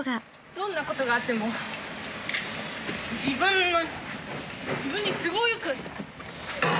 どんなことがあっても自分に都合良く。